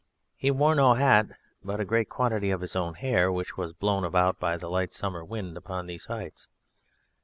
He wore no hat, but a great quantity of his own hair, which was blown about by the light summer wind upon these heights.